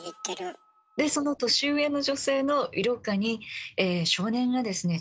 でその年上の女性の色香に少年がですね